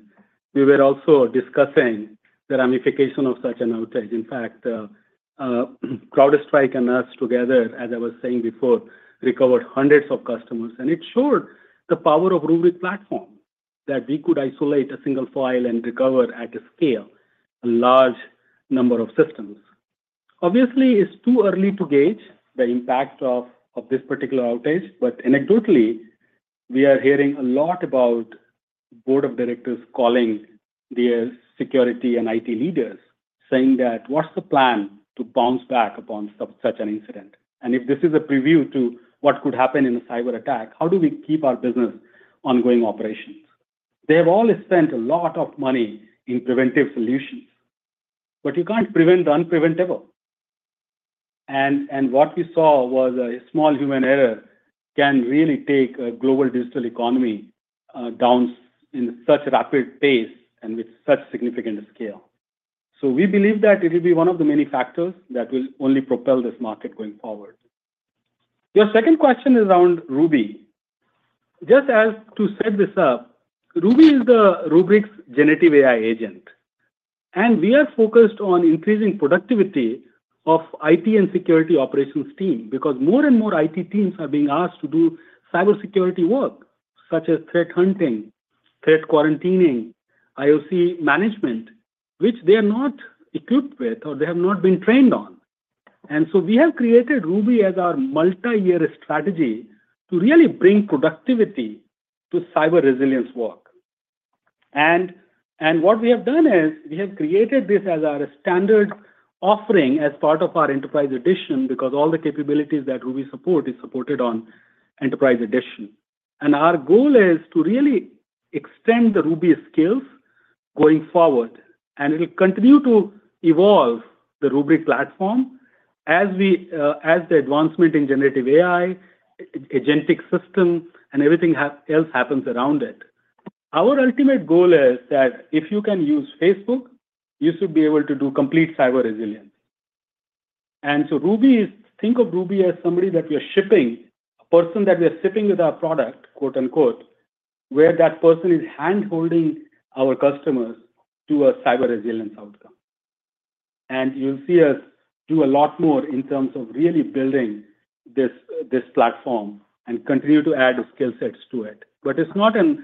we were also discussing the ramification of such an outage. In fact, CrowdStrike and us together, as I was saying before, recovered hundreds of customers, and it showed the power of Rubrik platform, that we could isolate a single file and recover at a scale, a large number of systems. Obviously, it's too early to gauge the impact of this particular outage, but anecdotally, we are hearing a lot about board of directors calling their security and IT leaders, saying that, "What's the plan to bounce back upon such an incident? And if this is a preview to what could happen in a cyberattack, how do we keep our business ongoing operations?" They have all spent a lot of money in preventive solutions, but you can't prevent the unpreventable. What we saw was a small human error can really take a global digital economy down in such a rapid pace and with such significant scale. So we believe that it will be one of the many factors that will only propel this market going forward. Your second question is around Ruby. Just as to set this up, Ruby is Rubrik's generative AI agent, and we are focused on increasing productivity of IT and security operations team. Because more and more IT teams are being asked to do cybersecurity work, such as threat hunting, threat quarantining, IOC management, which they are not equipped with or they have not been trained on. And so we have created Ruby as our multi-year strategy to really bring productivity to cyber resilience work. What we have done is, we have created this as our standard offering as part of our Enterprise Edition, because all the capabilities that Ruby support is supported on Enterprise Edition. Our goal is to really extend the Ruby skills going forward, and it will continue to evolve the Rubrik platform as we, as the advancement in generative AI, agentic system, and everything happening and everything else happens around it. Our ultimate goal is that if you can use Facebook, you should be able to do complete cyber resilience. And so Ruby is. Think of Ruby as somebody that we are shipping, a person that we are shipping with our product, quote, unquote, where that person is handholding our customers to a cyber resilience outcome. You'll see us do a lot more in terms of really building this platform and continue to add skill sets to it. But it's not a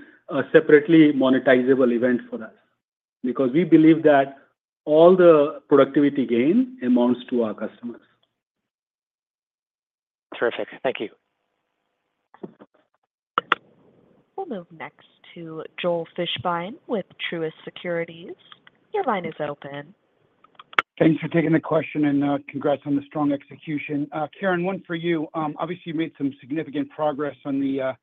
separately monetizable event for us, because we believe that all the productivity gain amounts to our customers. Terrific. Thank you. We'll move next to Joel Fishbein with Truist Securities. Your line is open.... Thanks for taking the question, and, congrats on the strong execution. Kiran, one for you. Obviously, you made some significant progress on the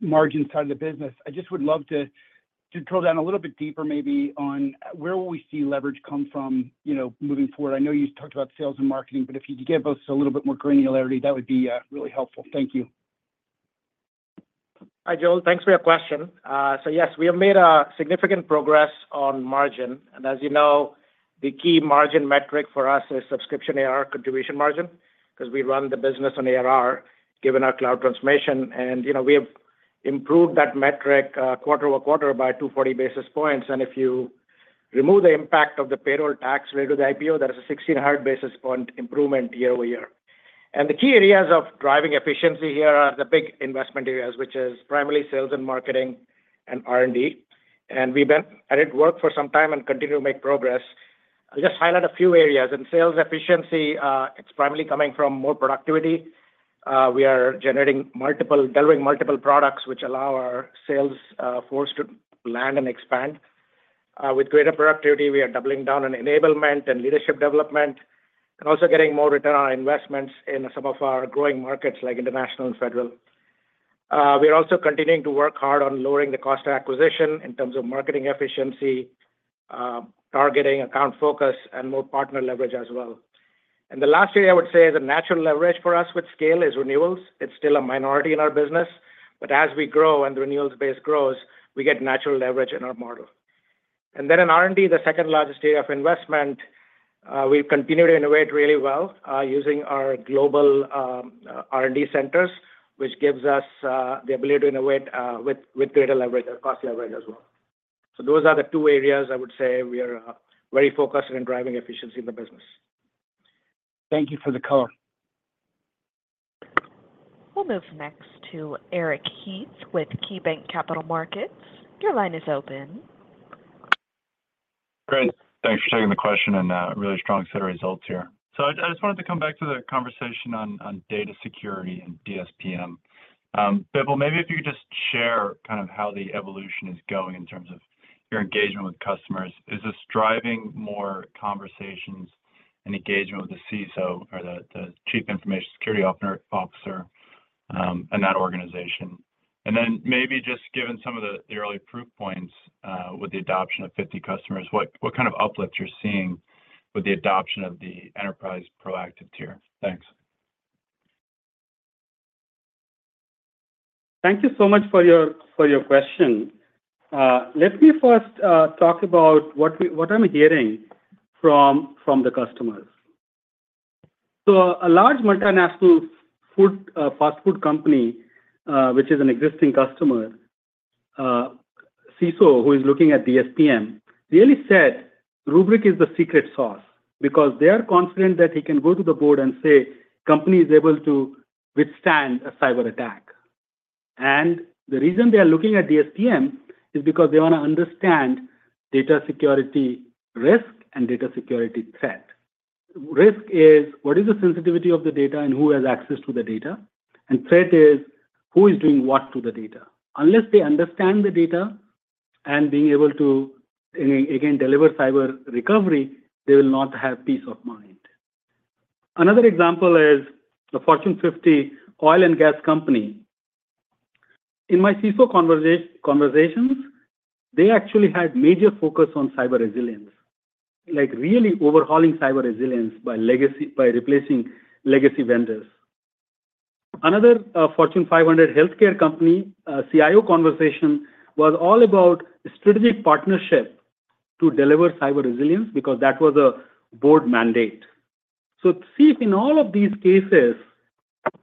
margin side of the business. I just would love to drill down a little bit deeper, maybe on where will we see leverage come from, you know, moving forward? I know you talked about sales and marketing, but if you could give us a little bit more granularity, that would be really helpful. Thank you. Hi, Joel. Thanks for your question. So yes, we have made a significant progress on margin, and as you know, the key margin metric for us is subscription ARR contribution margin, 'cause we run the business on ARR, given our cloud transformation. And, you know, we have improved that metric, quarter over quarter by 240 basis points, and if you remove the impact of the payroll tax rate with the IPO, that is a 160 basis point improvement year-over-year. And the key areas of driving efficiency here are the big investment areas, which is primarily sales and marketing and R&D. And we've been at it, working for some time and continue to make progress. I'll just highlight a few areas. In sales efficiency, it's primarily coming from more productivity. We are delivering multiple products, which allow our sales force to land and expand. With greater productivity, we are doubling down on enablement and leadership development, and also getting more return on our investments in some of our growing markets, like international and federal. We are also continuing to work hard on lowering the cost of acquisition in terms of marketing efficiency, targeting account focus, and more partner leverage as well, and the last area I would say is a natural leverage for us with scale is renewals. It's still a minority in our business, but as we grow and the renewals base grows, we get natural leverage in our model. And then in R&D, the second largest area of investment, we've continued to innovate really well, using our global R&D centers, which gives us the ability to innovate with greater leverage and cost leverage as well. So those are the two areas I would say we are very focused on in driving efficiency in the business. Thank you for the call. We'll move next to Eric Heath with KeyBanc Capital Markets. Your line is open. Great. Thanks for taking the question, and really strong set of results here. So I, I just wanted to come back to the conversation on data security and DSPM. Bipul, maybe if you could just share kind of how the evolution is going in terms of your engagement with customers. Is this driving more conversations and engagement with the CISO or the Chief Information Security Officer in that organization? And then maybe just given some of the early proof points with the adoption of 50 customers, what kind of uplift you're seeing with the adoption of the enterprise proactive tier? Thanks. Thank you so much for your question. Let me first talk about what I'm hearing from the customers, so a large multinational food fast food company, which is an existing customer, CISO, who is looking at DSPM, really said Rubrik is the secret sauce because they are confident that he can go to the board and say, "Company is able to withstand a cyberattack," and the reason they are looking at DSPM is because they want to understand data security risk and data security threat. Risk is, what is the sensitivity of the data and who has access to the data? And threat is, who is doing what to the data? Unless they understand the data and being able to again deliver cyber recovery, they will not have peace of mind. Another example is the Fortune 50 oil and gas company. In my CISO conversations, they actually had major focus on cyber resilience, like really overhauling cyber resilience by replacing legacy vendors. Another Fortune 500 healthcare company, CIO conversation was all about strategic partnership to deliver cyber resilience, because that was a board mandate. See, in all of these cases,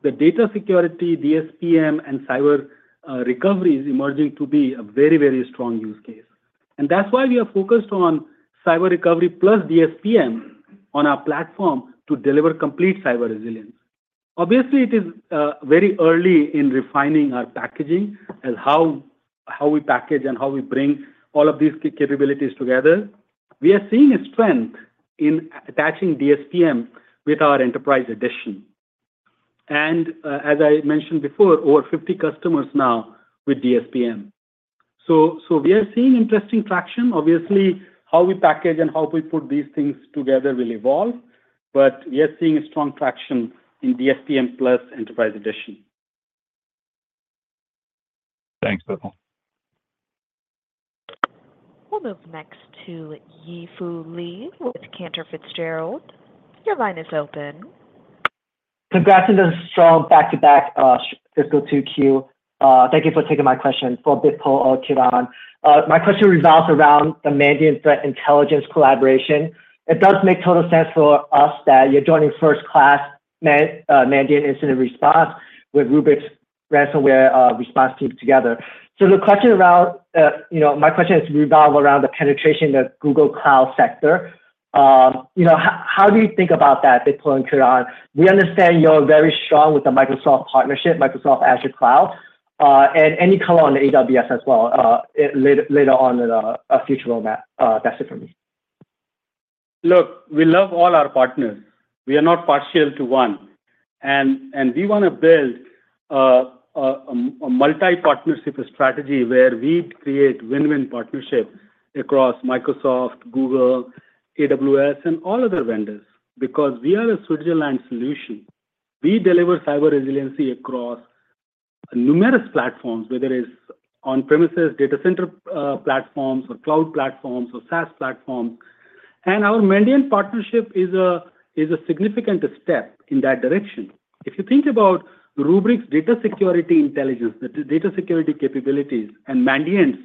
the data security, DSPM, and cyber recovery is emerging to be a very, very strong use case. And that's why we are focused on cyber recovery plus DSPM on our platform to deliver complete cyber resilience. Obviously, it is very early in refining our packaging and how we package and how we bring all of these key capabilities together. We are seeing a strength in attaching DSPM with our Enterprise Edition. As I mentioned before, over 50 customers now with DSPM, so we are seeing interesting traction. Obviously, how we package and how we put these things together will evolve, but we are seeing a strong traction in DSPM plus Enterprise Edition. Thanks, Bipul. We'll move next to Yi Fu Lee with Cantor Fitzgerald. Your line is open. Congrats on the strong back-to-back fiscal 2Q. Thank you for taking my question. For Bipul or Kiran, my question revolves around the Mandiant Threat Intelligence collaboration. It does make total sense for us that you're joining first-class Mandiant Incident Response with Rubrik's Ransomware Response Team together. So the question around, you know, my question is revolve around the penetration of Google Cloud sector. You know, how do you think about that, Bipul and Kiran? We understand you're very strong with the Microsoft partnership, Microsoft Azure Cloud, and any color on the AWS as well, later on in a future roadmap. That's it for me. Look, we love all our partners. We are not partial to one, and we want to build a multi-partnership strategy where we create win-win partnerships across Microsoft, Google, AWS, and all other vendors. Because we are a Switzerland solution. We deliver cyber resiliency across numerous platforms, whether it's on-premises data center platforms or cloud platforms or SaaS platforms. And our Mandiant partnership is a significant step in that direction. If you think about Rubrik's data security intelligence, the data security capabilities, and Mandiant's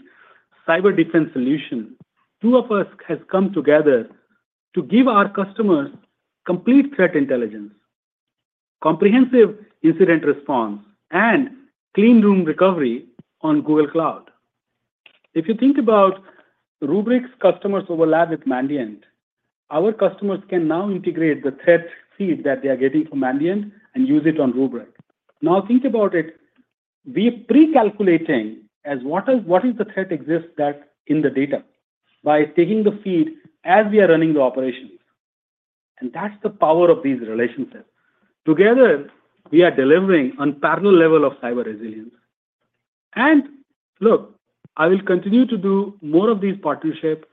cyber defense solution, two of us has come together to give our customers complete threat intelligence, comprehensive incident response, and Clean Room Recovery on Google Cloud. If you think about Rubrik's customers overlap with Mandiant, our customers can now integrate the threat feed that they are getting from Mandiant and use it on Rubrik. Now, think about it, we're pre-calculating as what is, what is the threat exists that in the data by taking the feed as we are running the operations, and that's the power of these relationships. Together, we are delivering unparalleled level of cyber resilience. And look, I will continue to do more of these partnerships.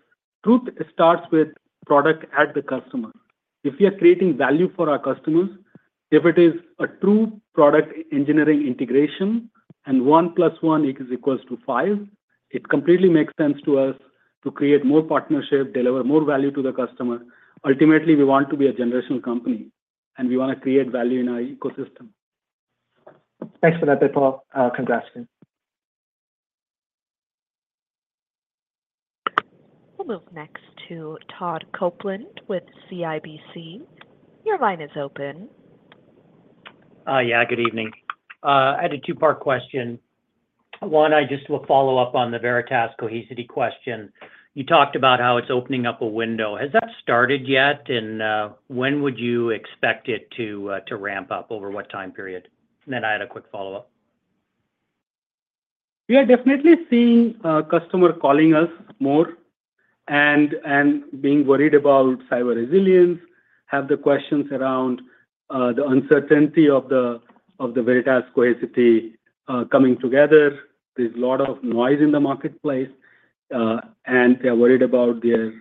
Truth starts with product at the customer. If we are creating value for our customers, if it is a true product engineering integration and one plus one is equals to five, it completely makes sense to us to create more partnership, deliver more value to the customer. Ultimately, we want to be a generational company, and we want to create value in our ecosystem. Thanks for that, Bipul. Congrats to you. We'll move next to Todd Coupland with CIBC. Your line is open. Yeah, good evening. I had a two-part question. One, I just will follow up on the Veritas Cohesity question. You talked about how it's opening up a window. Has that started yet? And, when would you expect it to ramp up, over what time period? And then I had a quick follow-up. We are definitely seeing customer calling us more and being worried about cyber resilience, have the questions around the uncertainty of the Veritas Cohesity coming together. There's a lot of noise in the marketplace, and they are worried about their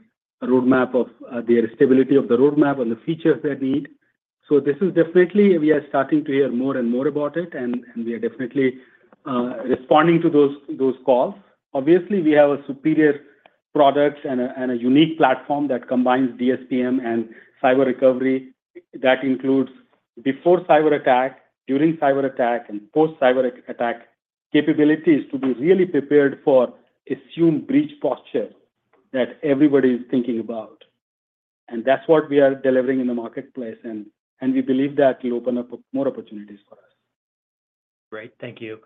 roadmap of the stability of the roadmap and the features they need. So this is definitely, we are starting to hear more and more about it, and we are definitely responding to those calls. Obviously, we have a superior product and a unique platform that combines DSPM and cyber recovery that includes before cyberattack, during cyberattack, and post-cyberattack capabilities to be really prepared for assumed breach posture that everybody is thinking about. And that's what we are delivering in the marketplace, and we believe that will open up more opportunities for us. Great. Thank you,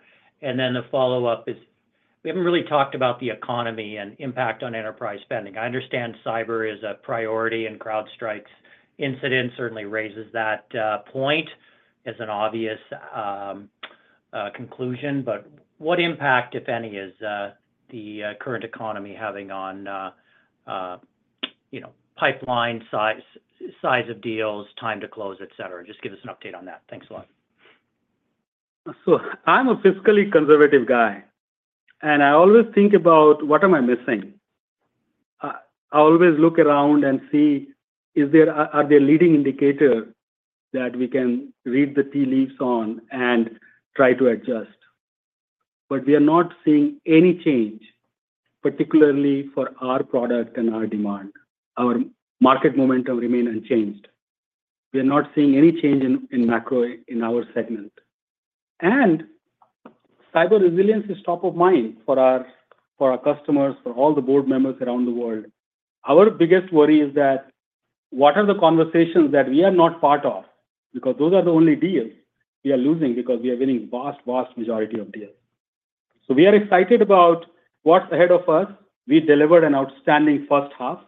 and then the follow-up is, we haven't really talked about the economy and impact on enterprise spending. I understand cyber is a priority, and CrowdStrike's incident certainly raises that point as an obvious conclusion, but what impact, if any, is the current economy having on you know, pipeline size, size of deals, time to close, et cetera? Just give us an update on that. Thanks a lot. So I'm a fiscally conservative guy, and I always think about: What am I missing? I always look around and see, is there are there leading indicator that we can read the tea leaves on and try to adjust, but we are not seeing any change, particularly for our product and our demand. Our market momentum remain unchanged. We are not seeing any change in macro in our segment. And cyber resilience is top of mind for our customers, for all the board members around the world. Our biggest worry is that, what are the conversations that we are not part of? Because those are the only deals we are losing because we are winning vast, vast majority of deals. So we are excited about what's ahead of us. We delivered an outstanding first half.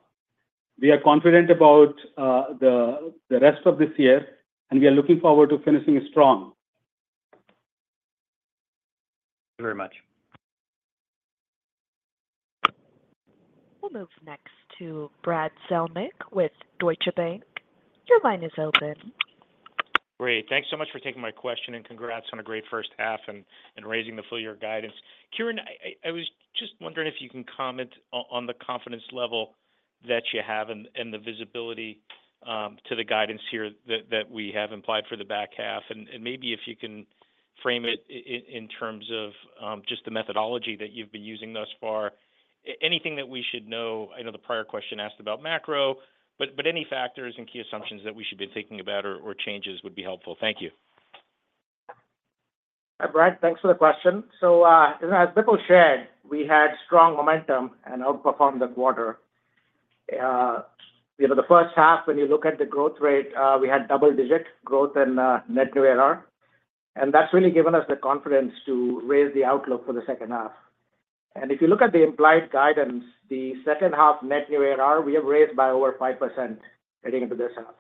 We are confident about the rest of this year, and we are looking forward to finishing strong. Thank you very much. We'll move next to Brad Zelnick with Deutsche Bank. Your line is open. Great. Thanks so much for taking my question, and congrats on a great first half and raising the full year guidance. Kiran, I was just wondering if you can comment on the confidence level that you have and the visibility to the guidance here that we have implied for the back half. And maybe if you can frame it in terms of just the methodology that you've been using thus far. Anything that we should know. I know the prior question asked about macro, but any factors and key assumptions that we should be thinking about or changes would be helpful. Thank you. Hi, Brad. Thanks for the question. So, as Bipul shared, we had strong momentum and outperformed the quarter. You know, the first half, when you look at the growth rate, we had double-digit growth in net new ARR, and that's really given us the confidence to raise the outlook for the second half. And if you look at the implied guidance, the second half net new ARR, we have raised by over 5% heading into this half.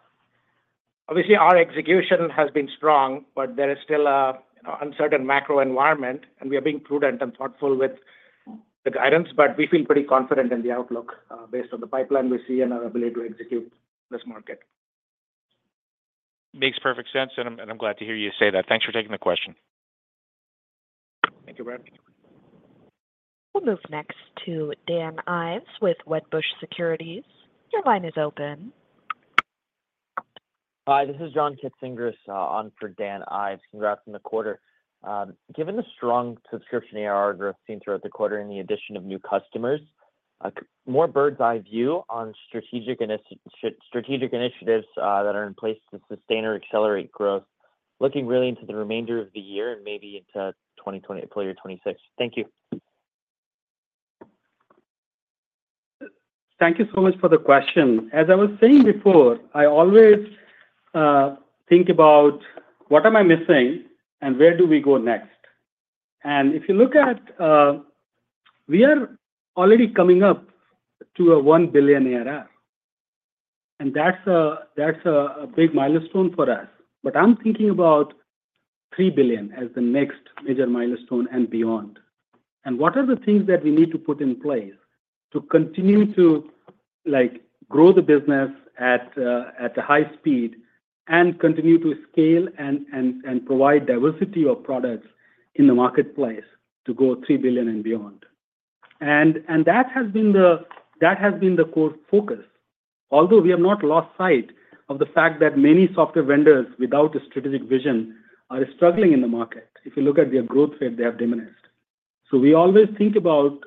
Obviously, our execution has been strong, but there is still a you know, uncertain macro environment, and we are being prudent and thoughtful with-... the guidance, but we feel pretty confident in the outlook, based on the pipeline we see and our ability to execute this market. Makes perfect sense, and I'm glad to hear you say that. Thanks for taking the question. Thank you, Brad. We'll move next to Dan Ives with Wedbush Securities. Your line is open. Hi, this is John Katsingris on for Dan Ives. Congrats on the quarter. Given the strong subscription ARR growth seen throughout the quarter and the addition of new customers, a more bird's-eye view on strategic initiatives that are in place to sustain or accelerate growth, looking really into the remainder of the year and maybe into 2025, calendar 2026. Thank you. Thank you so much for the question. As I was saying before, I always think about what am I missing and where do we go next? And if you look at, we are already coming up to a one billion ARR, and that's a big milestone for us. But I'm thinking about three billion as the next major milestone and beyond. And what are the things that we need to put in place to continue to, like, grow the business at a high speed and continue to scale and provide diversity of products in the marketplace to go three billion and beyond? And that has been the core focus. Although we have not lost sight of the fact that many software vendors without a strategic vision are struggling in the market. If you look at their growth rate, they have diminished. So we always think about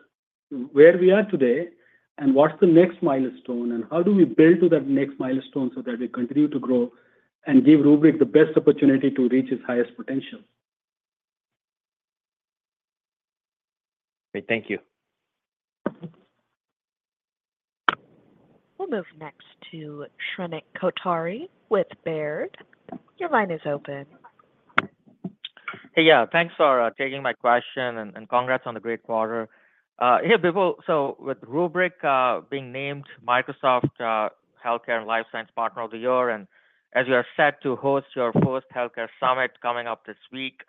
where we are today and what's the next milestone, and how do we build to that next milestone so that we continue to grow and give Rubrik the best opportunity to reach its highest potential. Great. Thank you. We'll move next to Shrenik Kothari with Baird. Your line is open. Hey, yeah, thanks for taking my question, and congrats on the great quarter. Yeah, Bipul, so with Rubrik being named Microsoft Healthcare and Life Science Partner of the Year, and as you are set to host your first healthcare summit coming up this week,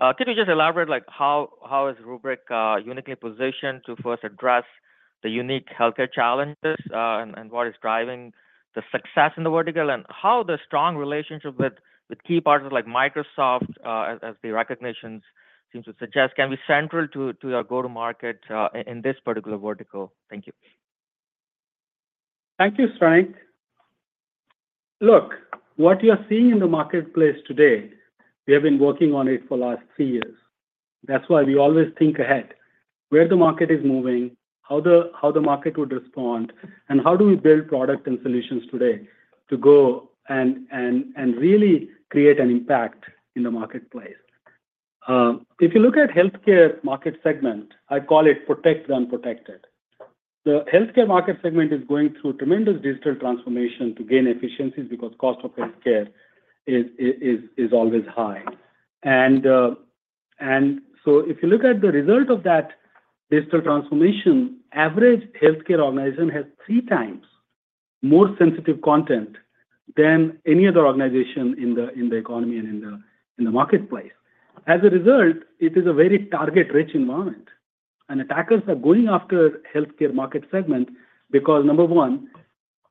can you just elaborate, like, how is Rubrik uniquely positioned to first address the unique healthcare challenges, and what is driving the success in the vertical? And how the strong relationship with key partners like Microsoft, as the recognitions seem to suggest, can be central to your go-to-market in this particular vertical? Thank you. Thank you, Shrenik. Look, what you are seeing in the marketplace today, we have been working on it for the last three years. That's why we always think ahead, where the market is moving, how the market would respond, and how do we build products and solutions today to go and really create an impact in the marketplace. If you look at healthcare market segment, I call it protected/unprotected. The healthcare market segment is going through tremendous digital transformation to gain efficiencies because cost of healthcare is always high, so if you look at the result of that digital transformation, average healthcare organization has three times more sensitive content than any other organization in the economy and in the marketplace. As a result, it is a very target-rich environment, and attackers are going after healthcare market segment because, number one,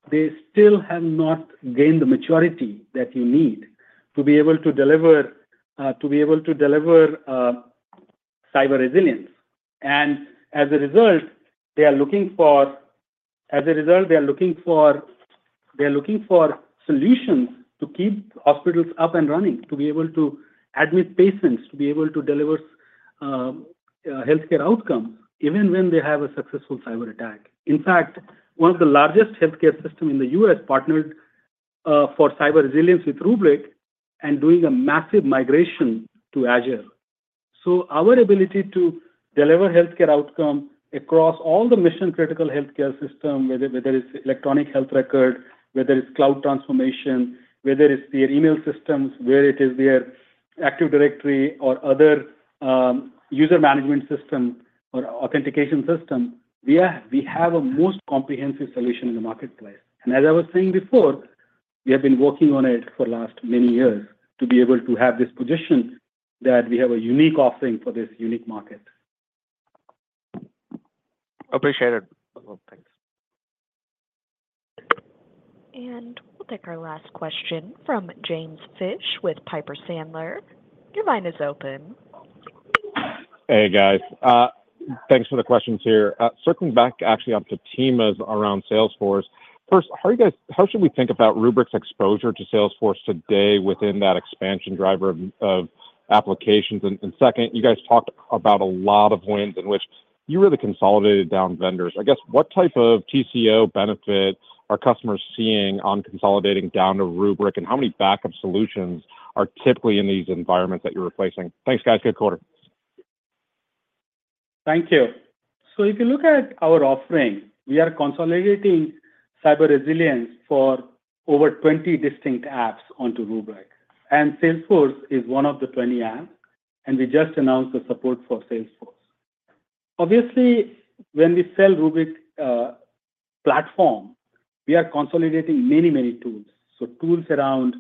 they still have not gained the maturity that you need to be able to deliver cyber resilience. And as a result, they are looking for solutions to keep hospitals up and running, to be able to admit patients, to be able to deliver healthcare outcomes, even when they have a successful cyber attack. In fact, one of the largest healthcare system in the U.S. partnered for cyber resilience with Rubrik and doing a massive migration to Azure. So our ability to deliver healthcare outcome across all the mission-critical healthcare system, whether it's electronic health record, whether it's cloud transformation, whether it's their email systems, whether it is their Active Directory or other user management system or authentication system, we have a most comprehensive solution in the marketplace. And as I was saying before, we have been working on it for the last many years to be able to have this position that we have a unique offering for this unique market. Appreciate it. Thanks. We'll take our last question from James Fish with Piper Sandler. Your line is open. Hey, guys. Thanks for the questions here. Circling back actually on to teams around Salesforce. First, how should we think about Rubrik's exposure to Salesforce today within that expansion driver of applications? And second, you guys talked about a lot of wins in which you really consolidated down vendors. I guess, what type of TCO benefits are customers seeing on consolidating down to Rubrik, and how many backup solutions are typically in these environments that you're replacing? Thanks, guys. Good quarter. Thank you. So if you look at our offering, we are consolidating cyber resilience for over 20 distinct apps onto Rubrik, and Salesforce is one of the 20 apps, and we just announced the support for Salesforce. Obviously, when we sell Rubrik platform, we are consolidating many, many tools. So tools around,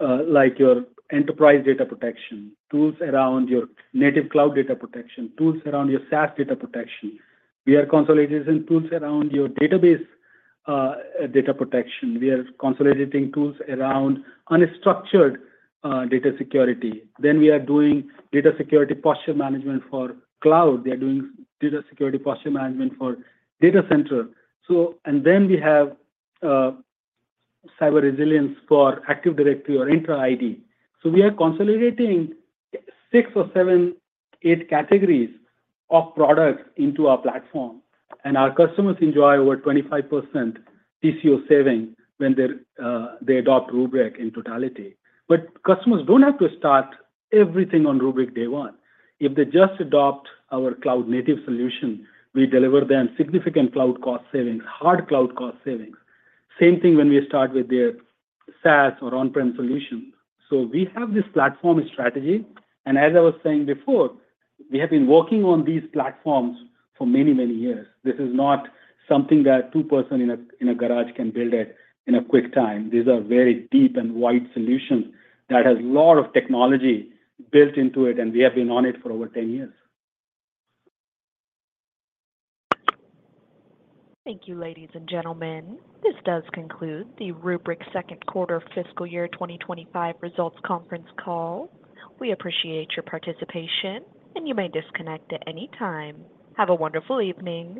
like your enterprise data protection, tools around your native cloud data protection, tools around your SaaS data protection. We are consolidating tools around your database data protection. We are consolidating tools around unstructured data security. Then we are doing data security posture management for cloud. We are doing data security posture management for data center. Then we have cyber resilience for Active Directory or Entra ID. So we are consolidating six or seven, eight categories of products into our platform, and our customers enjoy over 25% TCO saving when they adopt Rubrik in totality. But customers don't have to start everything on Rubrik day one. If they just adopt our cloud-native solution, we deliver them significant cloud cost savings, hard cloud cost savings. Same thing when we start with their SaaS or on-prem solution. So we have this platform strategy, and as I was saying before, we have been working on these platforms for many, many years. This is not something that two people in a garage can build it in a quick time. These are very deep and wide solutions that has a lot of technology built into it, and we have been on it for over 10 years. Thank you, ladies and gentlemen. This does conclude the Rubrik second quarter fiscal year 2025 results conference call. We appreciate your participation, and you may disconnect at any time. Have a wonderful evening.